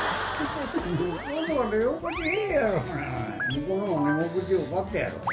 向こうの方が寝心地よかったやろ？